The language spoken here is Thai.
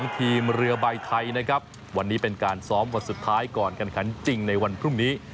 ทีมเรือใบไทยนะครับวันนี้เป็นการซ้อมวันสุดท้ายก่อนการขันจริงในวันพรุ่งนี้